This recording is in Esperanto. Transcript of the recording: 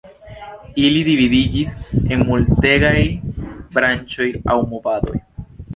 Ili dividiĝis en multegaj branĉoj aŭ movadoj.